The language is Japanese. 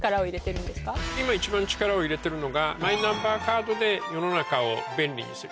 今一番力を入れてるのがマイナンバーカードで世の中を便利にする。